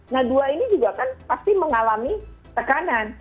nah dua ini juga kan pasti mengalami tekanan